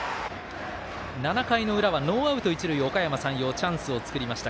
７回の裏はノーアウト、一塁おかやま山陽チャンスを作りました。